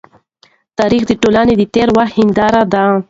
تاریخ د ټولني د تېر وخت هنداره ده.